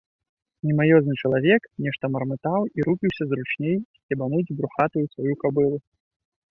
Мімаезны чалавек нешта мармытаў і рупіўся зручней сцебануць брухатую сваю кабылу.